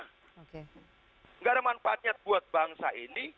tidak ada manfaatnya buat bangsa ini